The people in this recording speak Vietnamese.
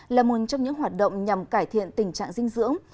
là một trong những hoạt động nhằm cải thiện tình trạng dinh dưỡng